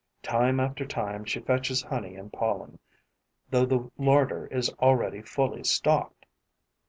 Time after time, she fetches honey and pollen, though the larder is already fully stocked.